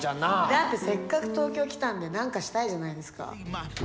だってせっかく東京来たんで何かしたいじゃないですか。